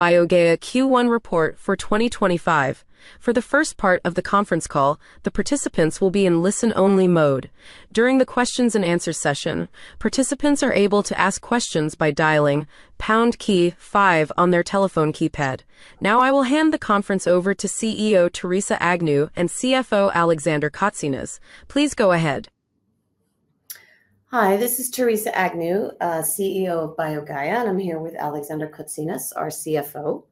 BioGaia Q1 report for 2025. For the first part of the conference call, the participants will be in listen-only mode. During the Q&A session, participants are able to ask questions by dialing #5 on their telephone keypad. Now, I will hand the conference over to CEO Theresa Agnew and CFO Alexander Kotsinas. Please go ahead. Hi, this is Teresa Agnew, CEO of BioGaia, and I'm here with Alexander Kotsinas, our CFO.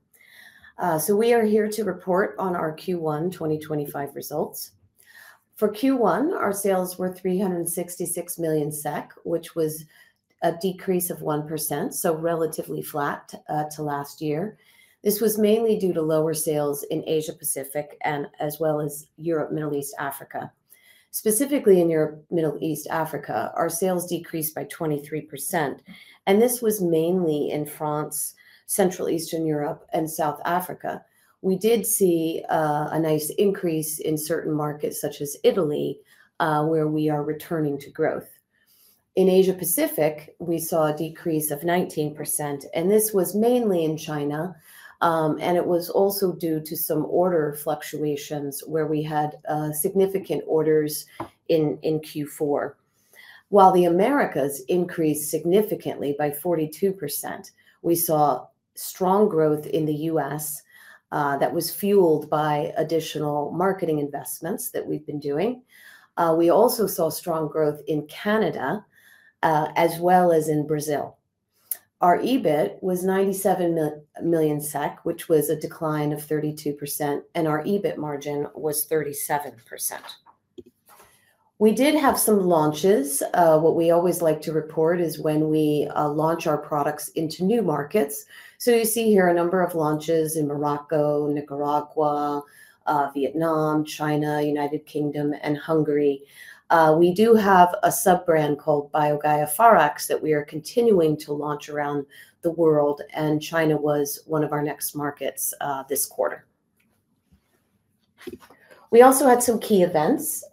We are here to report on our Q1 2025 results. For Q1, our sales were 366 million SEK, which was a decrease of 1%, so relatively flat to last year. This was mainly due to lower sales in Asia-Pacific as well as Europe, Middle East, Africa. Specifically in Europe, Middle East, Africa, our sales decreased by 23%, and this was mainly in France, Central Eastern Europe, and South Africa. We did see a nice increase in certain markets such as Italy, where we are returning to growth. In Asia-Pacific, we saw a decrease of 19%, and this was mainly in China, and it was also due to some order fluctuations where we had significant orders in Q4. While the Americas increased significantly by 42%, we saw strong growth in the U.S. That was fueled by additional marketing investments that we've been doing. We also saw strong growth in Canada as well as in Brazil. Our EBIT was 97 million SEK, which was a decline of 32%, and our EBIT margin was 37%. We did have some launches. What we always like to report is when we launch our products into new markets. You see here a number of launches in Morocco, Nicaragua, Vietnam, China, the United Kingdom, and Hungary. We do have a sub-brand called BioGaia Farax that we are continuing to launch around the world, and China was one of our next markets this quarter. We also had some key events.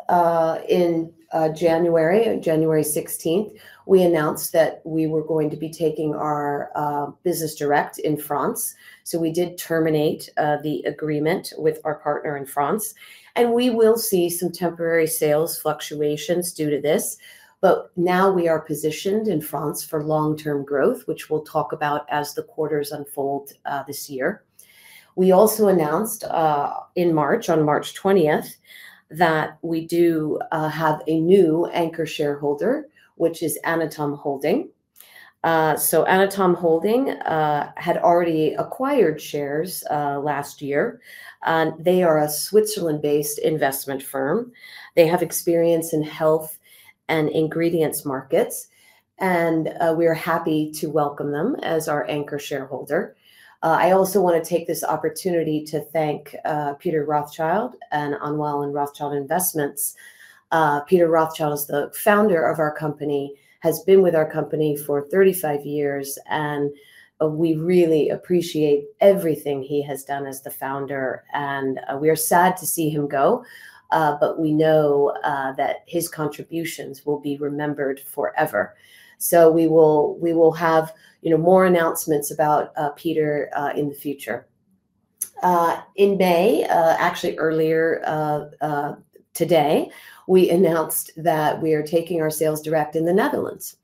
In January, January 16th, we announced that we were going to be taking our business direct in France. We did terminate the agreement with our partner in France, and we will see some temporary sales fluctuations due to this, but now we are positioned in France for long-term growth, which we'll talk about as the quarters unfold this year. We also announced in March, on March 20th, that we do have a new anchor shareholder, which is Anatom Holding. Anatom Holding had already acquired shares last year, and they are a Switzerland-based investment firm. They have experience in health and ingredients markets, and we are happy to welcome them as our anchor shareholder. I also want to take this opportunity to thank Peter Rothschild and Anwel and Rothschild Investments. Peter Rothschild is the founder of our company, has been with our company for 35 years, and we really appreciate everything he has done as the founder, and we are sad to see him go, but we know that his contributions will be remembered forever. We will have more announcements about Peter in the future. In May, actually earlier today, we announced that we are taking our sales direct in the Netherlands.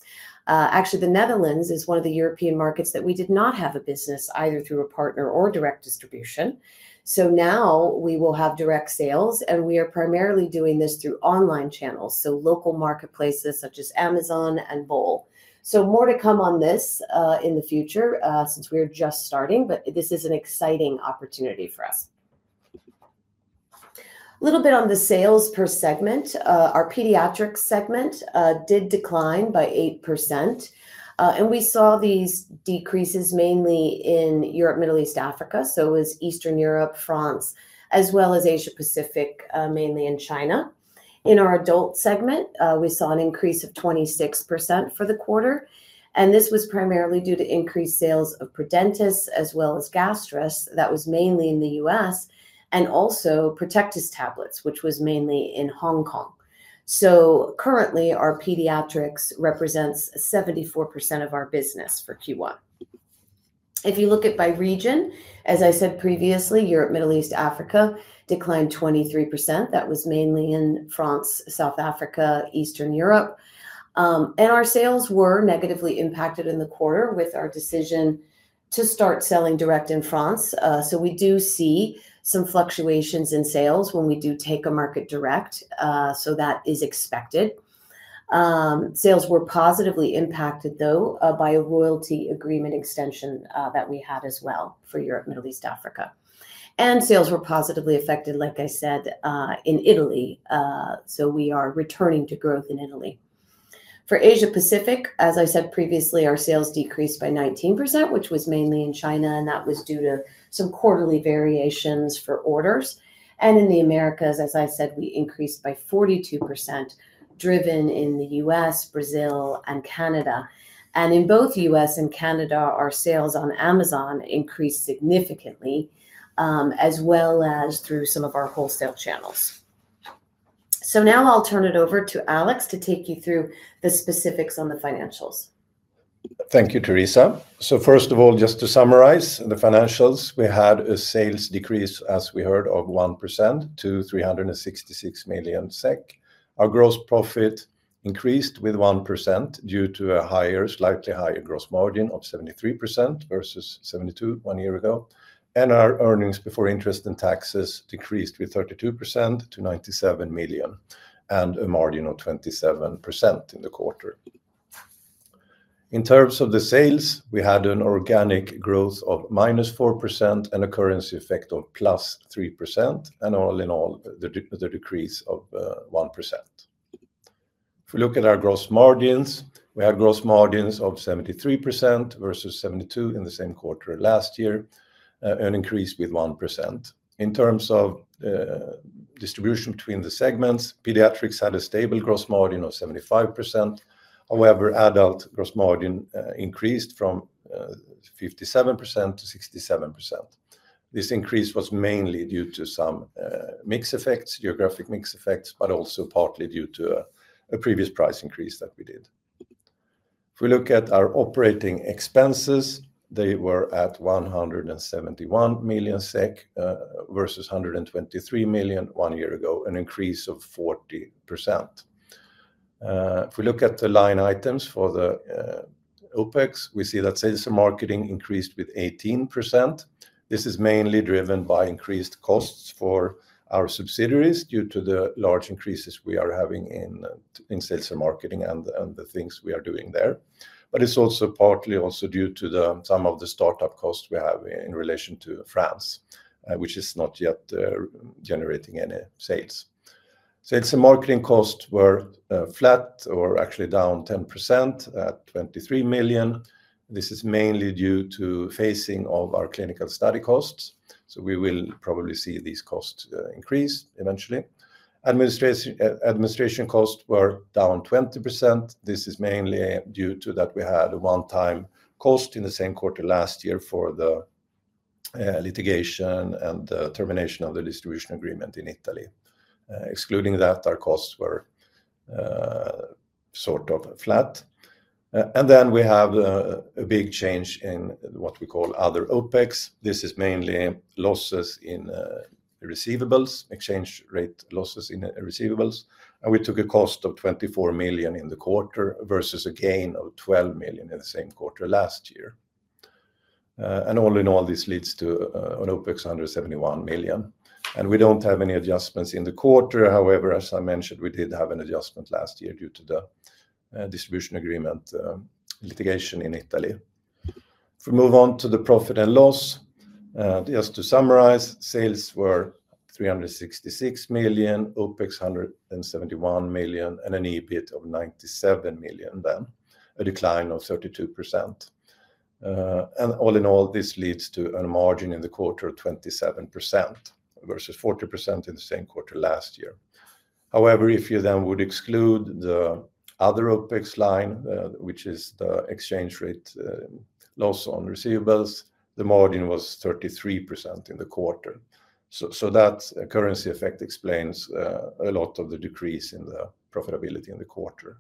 Actually, the Netherlands is one of the European markets that we did not have a business either through a partner or direct distribution. Now we will have direct sales, and we are primarily doing this through online channels, local marketplaces such as Amazon and Bol. More to come on this in the future since we are just starting, but this is an exciting opportunity for us. A little bit on the sales per segment, our pediatrics segment did decline by 8%, and we saw these decreases mainly in Europe, Middle East, Africa, so it was Eastern Europe, France, as well as Asia-Pacific, mainly in China. In our adult segment, we saw an increase of 26% for the quarter, and this was primarily due to increased sales of Prudentis as well as Gastris. That was mainly in the U.S. and also Protectus tablets, which was mainly in Hong Kong. Currently, our pediatrics represents 74% of our business for Q1. If you look at by region, as I said previously, Europe, Middle East, Africa declined 23%. That was mainly in France, South Africa, Eastern Europe. Our sales were negatively impacted in the quarter with our decision to start selling direct in France. We do see some fluctuations in sales when we do take a market direct, so that is expected. Sales were positively impacted, though, by a royalty agreement extension that we had as well for Europe, Middle East, Africa. Sales were positively affected, like I said, in Italy, so we are returning to growth in Italy. For Asia-Pacific, as I said previously, our sales decreased by 19%, which was mainly in China, and that was due to some quarterly variations for orders. In the Americas, as I said, we increased by 42%, driven in the U.S., Brazil, and Canada. In both the U.S. and Canada, our sales on Amazon increased significantly, as well as through some of our wholesale channels. Now I'll turn it over to Alex to take you through the specifics on the financials. Thank you, Teresa. First of all, just to summarize the financials, we had a sales decrease, as we heard, of 1% to 366 million SEK. Our gross profit increased with 1% due to a higher, slightly higher gross margin of 73% versus 72% one year ago. Our earnings before interest and taxes decreased with 32% to 97 million and a margin of 27% in the quarter. In terms of the sales, we had an organic growth of minus 4% and a currency effect of plus 3%, and all in all, the decrease of 1%. If we look at our gross margins, we had gross margins of 73% versus 72% in the same quarter last year, an increase with 1%. In terms of distribution between the segments, pediatrics had a stable gross margin of 75%. However, adult gross margin increased from 57% to 67%. This increase was mainly due to some mixed effects, geographic mixed effects, but also partly due to a previous price increase that we did. If we look at our operating expenses, they were at 171 million SEK versus 123 million one year ago, an increase of 40%. If we look at the line items for the OPEX, we see that sales and marketing increased with 18%. This is mainly driven by increased costs for our subsidiaries due to the large increases we are having in sales and marketing and the things we are doing there. It is also partly also due to some of the startup costs we have in relation to France, which is not yet generating any sales. Sales and marketing costs were flat or actually down 10% at 23 million. This is mainly due to phasing of our clinical study costs. We will probably see these costs increase eventually. Administration costs were down 20%. This is mainly due to that we had a one-time cost in the same quarter last year for the litigation and the termination of the distribution agreement in Italy. Excluding that, our costs were sort of flat. We have a big change in what we call other OPEX. This is mainly losses in receivables, exchange rate losses in receivables. We took a cost of 24 million in the quarter versus a gain of 12 million in the same quarter last year. All in all, this leads to an OPEX of 171 million. We do not have any adjustments in the quarter. However, as I mentioned, we did have an adjustment last year due to the distribution agreement litigation in Italy. If we move on to the profit and loss, just to summarize, sales were 366 million, OPEX 171 million, and an EBIT of 97 million then, a decline of 32%. All in all, this leads to a margin in the quarter of 27% versus 40% in the same quarter last year. However, if you then would exclude the other OPEX line, which is the exchange rate loss on receivables, the margin was 33% in the quarter. That currency effect explains a lot of the decrease in the profitability in the quarter.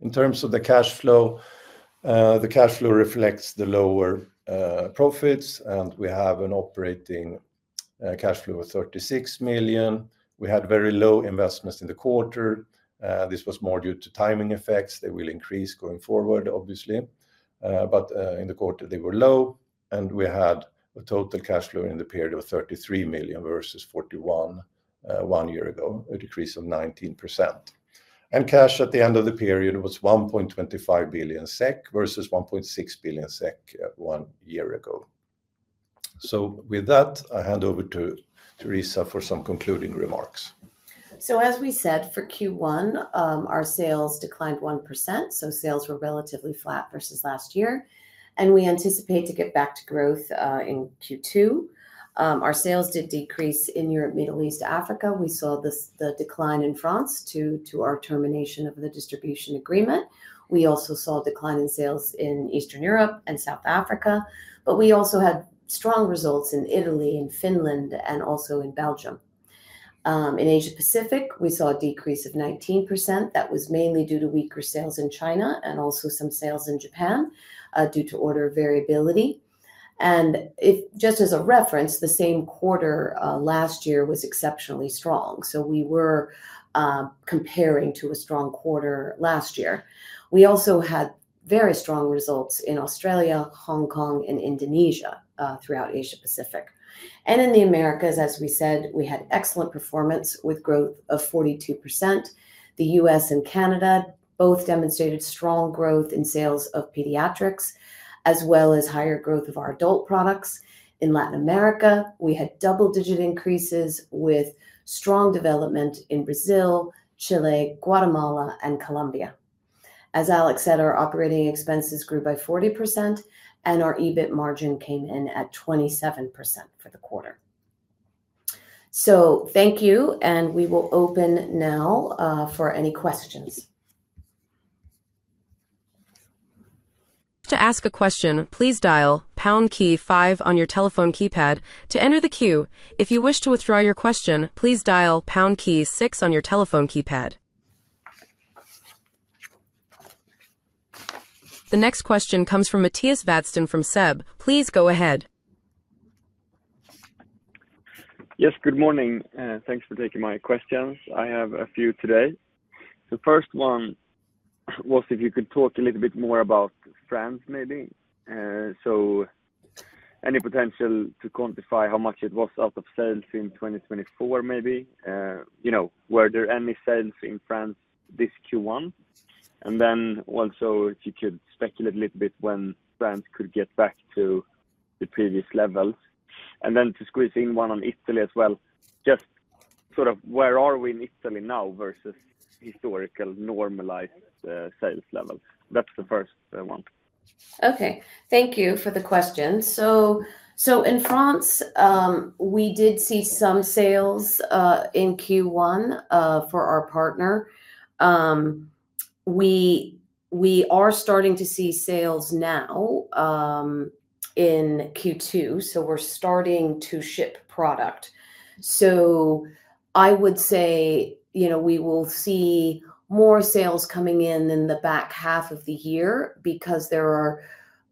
In terms of the cash flow, the cash flow reflects the lower profits, and we have an operating cash flow of 36 million. We had very low investments in the quarter. This was more due to timing effects. They will increase going forward, obviously. In the quarter, they were low, and we had a total cash flow in the period of 33 million versus 41 million one year ago, a decrease of 19%. Cash at the end of the period was 1.25 billion SEK versus 1.6 billion SEK one year ago. With that, I hand over to Teresa for some concluding remarks. As we said, for Q1, our sales declined 1%, so sales were relatively flat versus last year. We anticipate to get back to growth in Q2. Our sales did decrease in Europe, Middle East, Africa. We saw the decline in France due to our termination of the distribution agreement. We also saw a decline in sales in Eastern Europe and South Africa. We also had strong results in Italy, in Finland, and also in Belgium. In Asia-Pacific, we saw a decrease of 19%. That was mainly due to weaker sales in China and also some sales in Japan due to order variability. Just as a reference, the same quarter last year was exceptionally strong. We were comparing to a strong quarter last year. We also had very strong results in Australia, Hong Kong, and Indonesia throughout Asia-Pacific. In the Americas, as we said, we had excellent performance with growth of 42%. The U.S. and Canada both demonstrated strong growth in sales of pediatric products, as well as higher growth of our adult products. In Latin America, we had double-digit increases with strong development in Brazil, Chile, Guatemala, and Colombia. As Alex said, our operating expenses grew by 40%, and our EBIT margin came in at 27% for the quarter. Thank you, and we will open now for any questions. To ask a question, please dial pound key five on your telephone keypad to enter the queue. If you wish to withdraw your question, please dial pound key six on your telephone keypad. The next question comes from Mattias Vadsten from SEB. Please go ahead. Yes, good morning. Thanks for taking my questions. I have a few today. The first one was if you could talk a little bit more about France, maybe. So any potential to quantify how much it was out of sales in 2024, maybe? You know, were there any sales in France this Q1? Also, if you could speculate a little bit when France could get back to the previous levels. To squeeze in one on Italy as well, just sort of where are we in Italy now versus historical normalized sales levels? That's the first one. Okay. Thank you for the question. In France, we did see some sales in Q1 for our partner. We are starting to see sales now in Q2, so we're starting to ship product. I would say, you know, we will see more sales coming in in the back half of the year because there are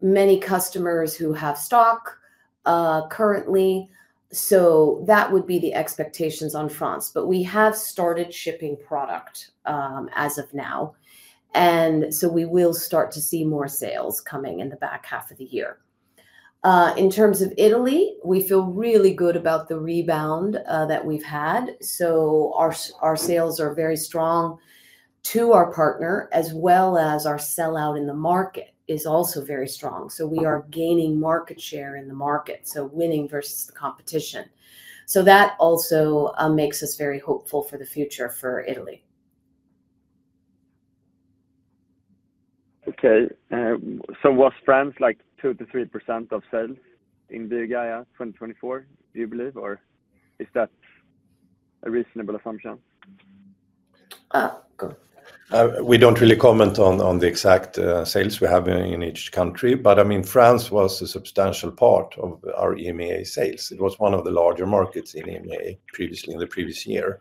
many customers who have stock currently. That would be the expectations on France. We have started shipping product as of now, and we will start to see more sales coming in the back half of the year. In terms of Italy, we feel really good about the rebound that we've had. Our sales are very strong to our partner, as well as our sellout in the market is also very strong. We are gaining market share in the market, winning versus the competition. That also makes us very hopeful for the future for Italy. Okay. So was France like 2%-3% of sales in BioGaia 2024, do you believe, or is that a reasonable assumption? We don't really comment on the exact sales we have in each country, but I mean, France was a substantial part of our EMEA sales. It was one of the larger markets in EMEA previously in the previous year.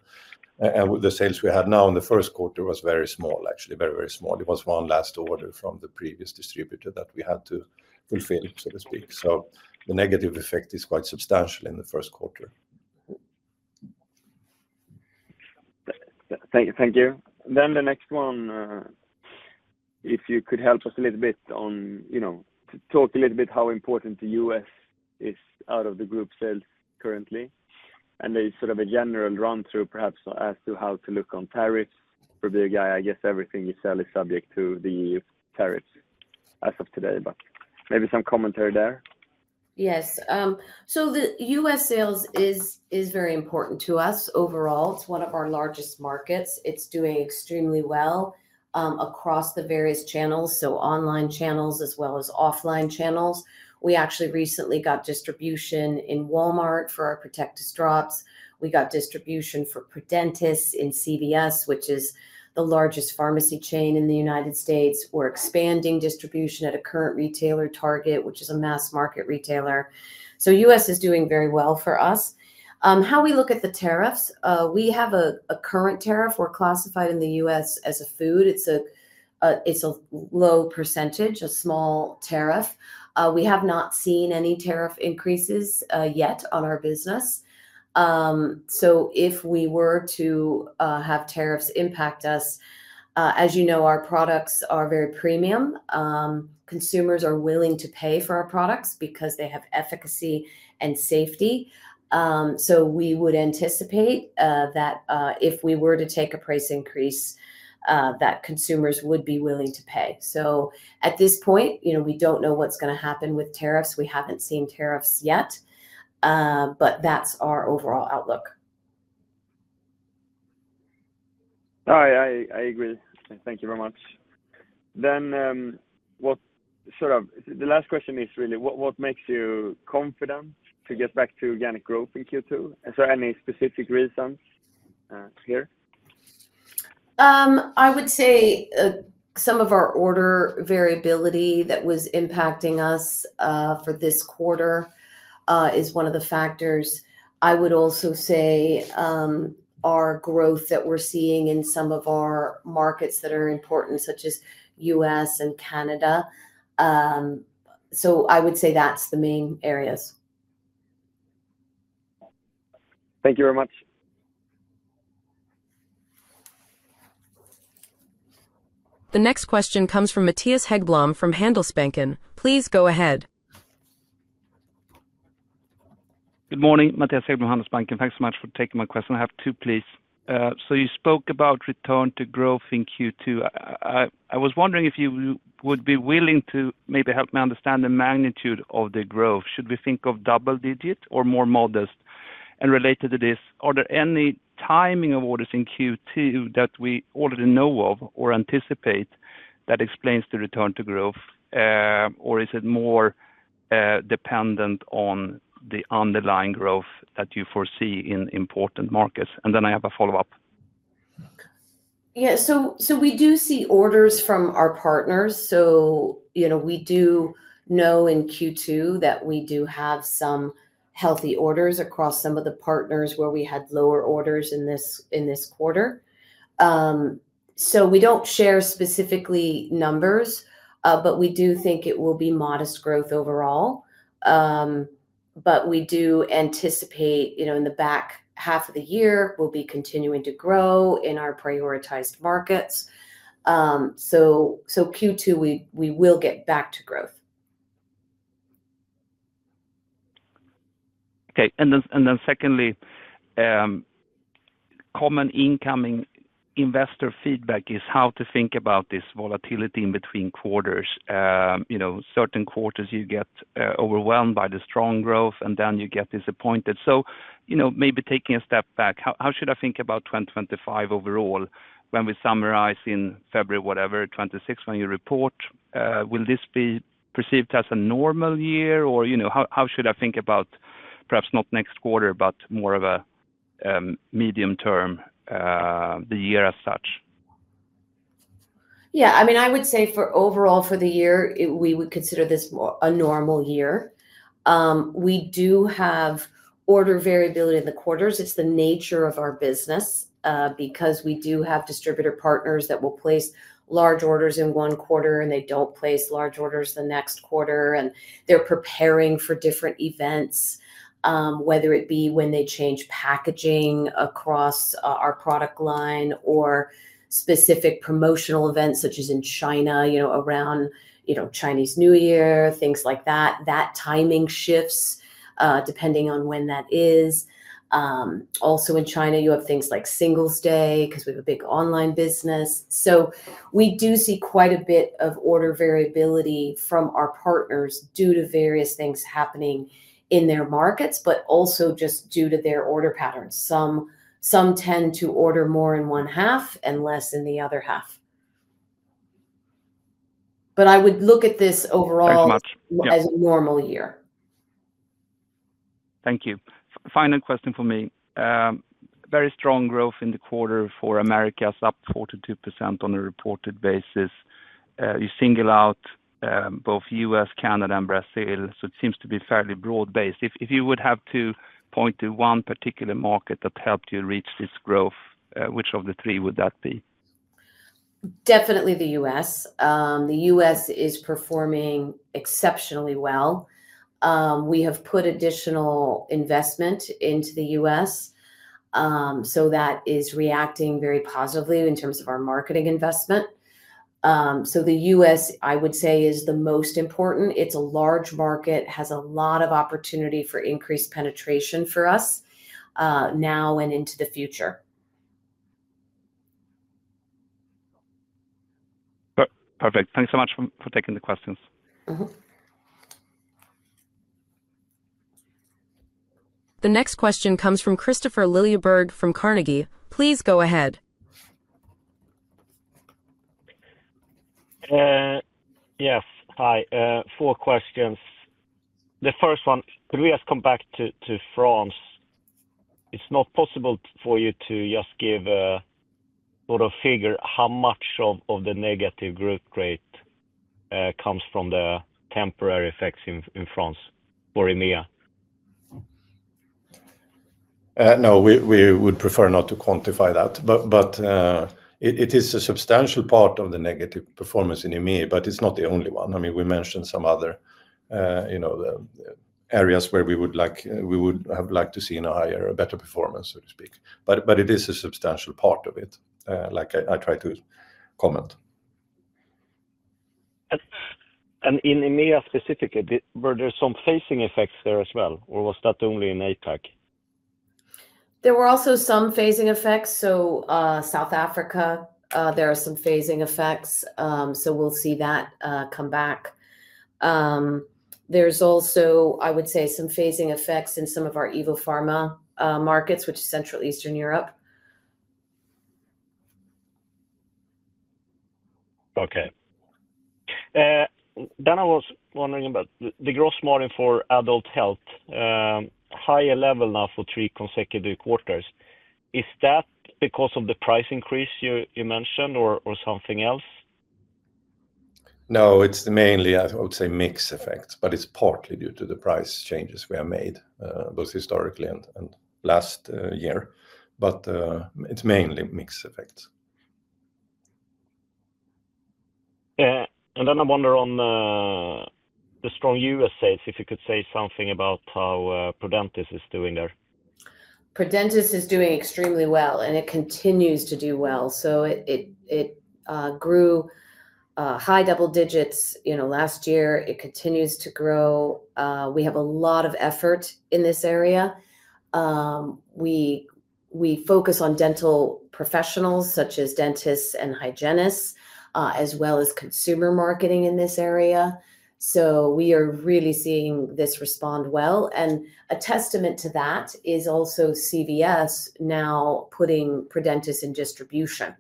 The sales we had now in the first quarter was very small, actually, very, very small. It was one last order from the previous distributor that we had to fulfill, so to speak. The negative effect is quite substantial in the first quarter. Thank you. The next one, if you could help us a little bit on, you know, talk a little bit how important the U.S. is out of the group sales currently. There is sort of a general run-through perhaps as to how to look on tariffs for BioGaia. I guess everything you sell is subject to the tariffs as of today, but maybe some commentary there. Yes. The U.S. sales is very important to us overall. It's one of our largest markets. It's doing extremely well across the various channels, online channels as well as offline channels. We actually recently got distribution in Walmart for our Protectus drops. We got distribution for Prudentis in CVS, which is the largest pharmacy chain in the United States. We're expanding distribution at a current retailer Target, which is a mass market retailer. U.S. is doing very well for us. How we look at the tariffs, we have a current tariff. We're classified in the U.S. as a food. It's a low percentage, a small tariff. We have not seen any tariff increases yet on our business. If we were to have tariffs impact us, as you know, our products are very premium. Consumers are willing to pay for our products because they have efficacy and safety. We would anticipate that if we were to take a price increase, consumers would be willing to pay. At this point, you know, we do not know what is going to happen with tariffs. We have not seen tariffs yet, but that is our overall outlook. I agree. Thank you very much. What sort of the last question is really, what makes you confident to get back to organic growth in Q2? Is there any specific reasons here? I would say some of our order variability that was impacting us for this quarter is one of the factors. I would also say our growth that we're seeing in some of our markets that are important, such as U.S. and Canada. I would say that's the main areas. Thank you very much. The next question comes from Matthias Hegblom from Handelsbanken. Please go ahead. Good morning, Matthias Hegblom from Handelsbanken. Thanks so much for taking my question. I have two, please. You spoke about return to growth in Q2. I was wondering if you would be willing to maybe help me understand the magnitude of the growth. Should we think of double-digit or more modest? Related to this, are there any timing of orders in Q2 that we already know of or anticipate that explains the return to growth? Is it more dependent on the underlying growth that you foresee in important markets? I have a follow-up. Yeah. So we do see orders from our partners. You know, we do know in Q2 that we do have some healthy orders across some of the partners where we had lower orders in this quarter. We do not share specifically numbers, but we do think it will be modest growth overall. We do anticipate, you know, in the back half of the year, we will be continuing to grow in our prioritized markets. Q2, we will get back to growth. Okay. And then secondly, common incoming investor feedback is how to think about this volatility in between quarters. You know, certain quarters you get overwhelmed by the strong growth, and then you get disappointed. You know, maybe taking a step back, how should I think about 2025 overall when we summarize in February, whatever, 2026, when you report? Will this be perceived as a normal year? Or, you know, how should I think about perhaps not next quarter, but more of a medium term, the year as such? Yeah. I mean, I would say for overall for the year, we would consider this a normal year. We do have order variability in the quarters. It's the nature of our business because we do have distributor partners that will place large orders in one quarter, and they don't place large orders the next quarter. They are preparing for different events, whether it be when they change packaging across our product line or specific promotional events, such as in China, you know, around, you know, Chinese New Year, things like that. That timing shifts depending on when that is. Also, in China, you have things like Singles' Day because we have a big online business. We do see quite a bit of order variability from our partners due to various things happening in their markets, but also just due to their order patterns. Some tend to order more in one half and less in the other half. I would look at this overall as a normal year. Thank you. Final question for me. Very strong growth in the quarter for Americas, up 42% on a reported basis. You single out both U.S., Canada, and Brazil. It seems to be fairly broad-based. If you would have to point to one particular market that helped you reach this growth, which of the three would that be? Definitely the U.S. The U.S. is performing exceptionally well. We have put additional investment into the U.S., so that is reacting very positively in terms of our marketing investment. The U.S., I would say, is the most important. It's a large market, has a lot of opportunity for increased penetration for us now and into the future. Perfect. Thanks so much for taking the questions. The next question comes from Kristopher Liljeberg from Carnegie. Please go ahead. Yes. Hi. Four questions. The first one, could we just come back to France? It's not possible for you to just give a sort of figure how much of the negative growth rate comes from the temporary effects in France for EMEA? No, we would prefer not to quantify that. It is a substantial part of the negative performance in EMEA, but it's not the only one. I mean, we mentioned some other, you know, areas where we would have liked to see a higher or better performance, so to speak. It is a substantial part of it, like I tried to comment. In EMEA specifically, were there some phasing effects there as well, or was that only in APAC? There were also some phasing effects. South Africa, there are some phasing effects. We'll see that come back. There's also, I would say, some phasing effects in some of our EvoPharma markets, which is Central Eastern Europe. Okay. I was wondering about the gross margin for adult health, higher level now for three consecutive quarters. Is that because of the price increase you mentioned or something else? No, it's mainly, I would say, mixed effects, but it's partly due to the price changes we have made, both historically and last year. It's mainly mixed effects. I wonder on the strong U.S. sales, if you could say something about how Prudentis is doing there. Prudentis is doing extremely well, and it continues to do well. It grew high double digits, you know, last year. It continues to grow. We have a lot of effort in this area. We focus on dental professionals, such as dentists and hygienists, as well as consumer marketing in this area. We are really seeing this respond well. A testament to that is also CVS now putting Prudentis in distribution.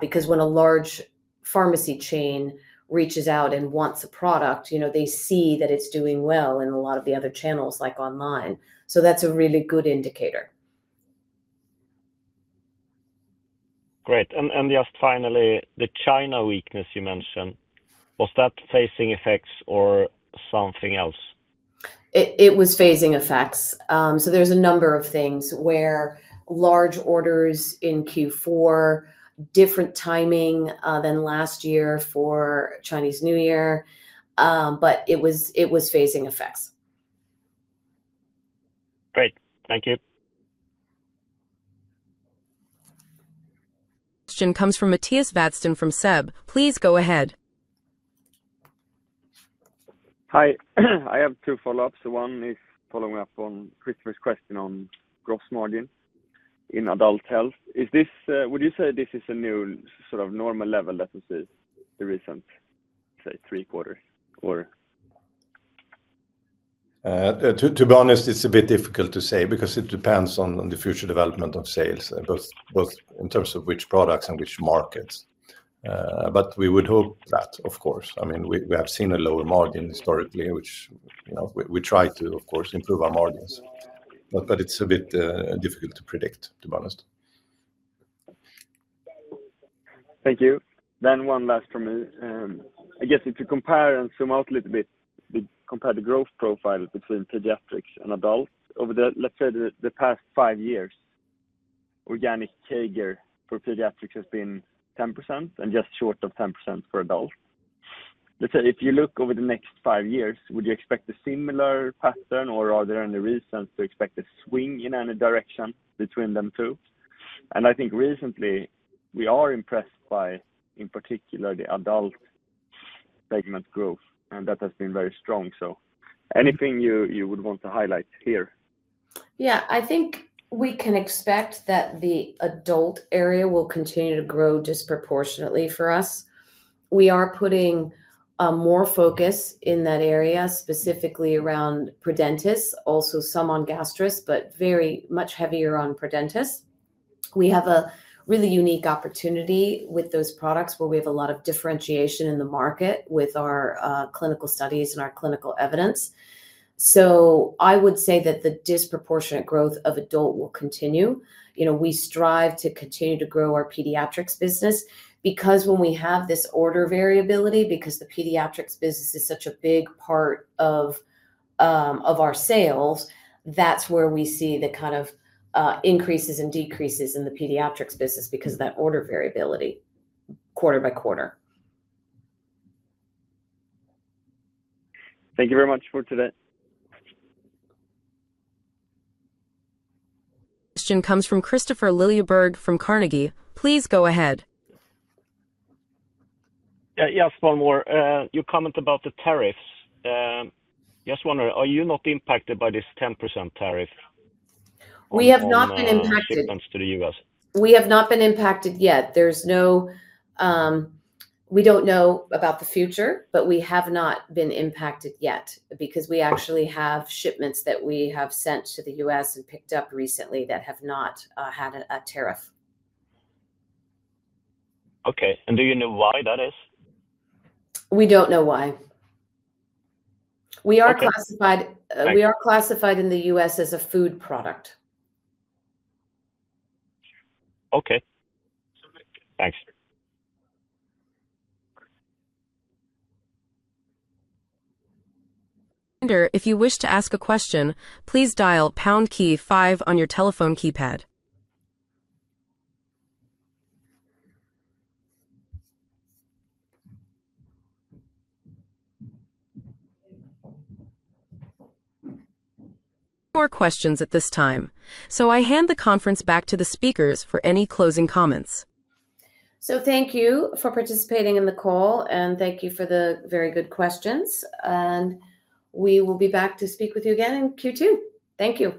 Because when a large pharmacy chain reaches out and wants a product, you know, they see that it is doing well in a lot of the other channels, like online. That is a really good indicator. Great. And just finally, the China weakness you mentioned, was that phasing effects or something else? It was phasing effects. There is a number of things where large orders in Q4, different timing than last year for Chinese New Year, but it was phasing effects. Great. Thank you. Question comes from Mattias Vadsten from SEB. Please go ahead. Hi. I have two follow-ups. One is following up on Kristopher's question on gross margin in adult health. Is this, would you say this is a new sort of normal level that we see the recent, say, three quarters or? To be honest, it's a bit difficult to say because it depends on the future development of sales, both in terms of which products and which markets. We would hope that, of course. I mean, we have seen a lower margin historically, which, you know, we try to, of course, improve our margins. It's a bit difficult to predict, to be honest. Thank you. Then one last for me. I guess if you compare and zoom out a little bit, compare the growth profile between pediatrics and adults. Over the, let's say, the past five years, organic CAGR for pediatrics has been 10% and just short of 10% for adults. Let's say, if you look over the next five years, would you expect a similar pattern, or are there any reasons to expect a swing in any direction between them two? I think recently we are impressed by, in particular, the adult segment growth, and that has been very strong. Anything you would want to highlight here? Yeah. I think we can expect that the adult area will continue to grow disproportionately for us. We are putting more focus in that area, specifically around Prudentis, also some on Gastris, but very much heavier on Prudentis. We have a really unique opportunity with those products where we have a lot of differentiation in the market with our clinical studies and our clinical evidence. I would say that the disproportionate growth of adult will continue. You know, we strive to continue to grow our pediatrics business because when we have this order variability, because the pediatrics business is such a big part of our sales, that's where we see the kind of increases and decreases in the pediatrics business because of that order variability quarter by quarter. Thank you very much for today. Question comes from Kristopher Liljeberg from Carnegie. Please go ahead. Yes, one more. Your comment about the tariffs. Just wondering, are you not impacted by this 10% tariff? We have not been impacted. We have not been impacted yet. We have not been impacted yet. There's no, we don't know about the future, but we have not been impacted yet because we actually have shipments that we have sent to the U.S. and picked up recently that have not had a tariff. Okay. Do you know why that is? We don't know why. We are classified in the U.S. as a food product. Okay. Thanks. If you wish to ask a question, please dial Pound Key 5 on your telephone keypad. No more questions at this time. I hand the conference back to the speakers for any closing comments. Thank you for participating in the call, and thank you for the very good questions. We will be back to speak with you again in Q2. Thank you.